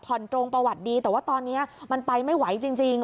ตรงประวัติดีแต่ว่าตอนนี้มันไปไม่ไหวจริง